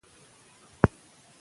ما ولې له ښکاره توبه وکړه